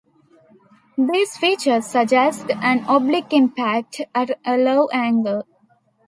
These features suggest an oblique impact at a low angle.